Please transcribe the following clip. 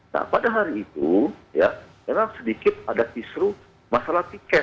nah pada hari itu ya memang sedikit ada kisru masalah tiket